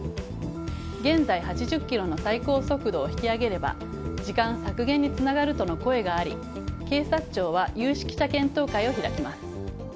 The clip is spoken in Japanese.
現在８０キロの最高速度を引き上げれば時間削減につながるとの声があり警察庁は有識者検討会を開きます。